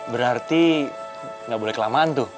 berarti nggak boleh kelamaan tuh